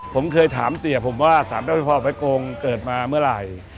ผมเคยถามเสียผมว่า๓เจ้าพ่อไปโกงเกิดมาเมื่อไหร่